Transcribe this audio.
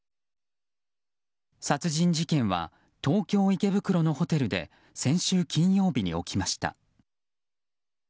殺人事件は東京・池袋のホテルで先週金曜日に起きました。